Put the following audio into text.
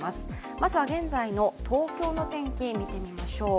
まずは現在の東京の天気を見てみましょう。